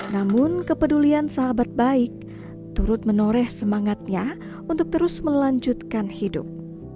namun kepedulian sahabat baik turut menoreh semangatnya untuk terus melanjutkan hidup